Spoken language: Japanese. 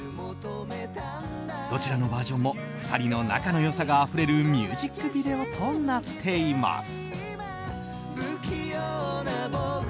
どちらのバージョンも２人の仲の良さがあふれるミュージックビデオとなっています。